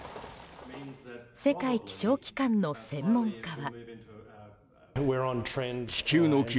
世界気象機関の専門家は。